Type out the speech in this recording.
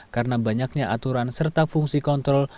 karena banyaknya aturan serta fungsi kontrol